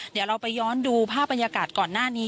เดี๋ยวเราไปย้อนดูภาพบรรยากาศก่อนหน้านี้